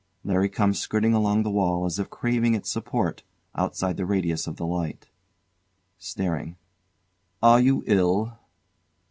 LARRY comes skirting along the wall, as if craving its support, outside the radius of the light. [Staring] Are you ill?